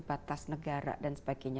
batas negara dan sebagainya